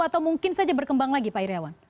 atau mungkin saja berkembang lagi pak iryawan